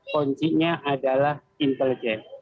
kuncinya adalah intelijen